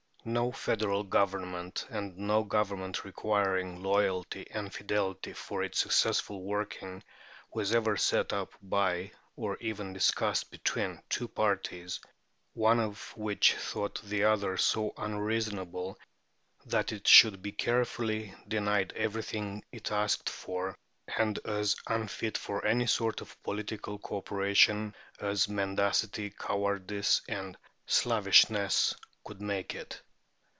No federal government, and no government requiring loyalty and fidelity for its successful working, was ever set up by, or even discussed between, two parties, one of which thought the other so unreasonable that it should be carefully denied everything it asked for and as unfit for any sort of political co operation as mendacity, cowardice, and slavishness could make it.